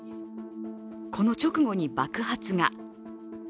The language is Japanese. この直後に爆発が。